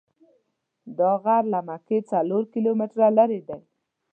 دا غر له مکې څلور کیلومتره لرې دی.